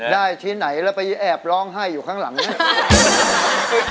ที่ไหนแล้วไปแอบร้องไห้อยู่ข้างหลังเนี่ย